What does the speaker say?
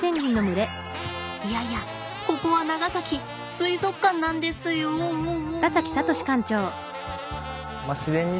いやいやここは長崎水族館なんですよおお。